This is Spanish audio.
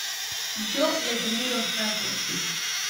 yo le tendí los brazos.